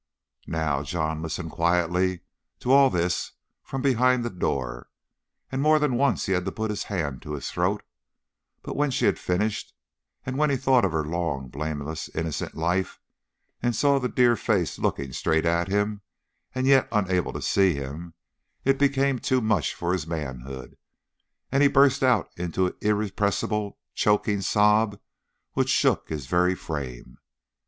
Now John listened quietly to all this from behind the door, and more than once he had to put his hand to his throat, but when she had finished, and when he thought of her long, blameless, innocent life, and saw the dear face looking straight at him, and yet unable to see him, it became too much for his manhood, and he burst out into an irrepressible choking sob which shook his very frame.